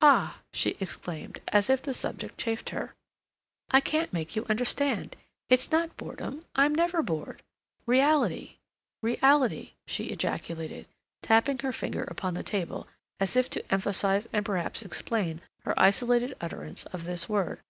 "Ah," she exclaimed, as if the subject chafed her, "I can't make you understand. It's not boredom—I'm never bored. Reality—reality," she ejaculated, tapping her finger upon the table as if to emphasize and perhaps explain her isolated utterance of this word.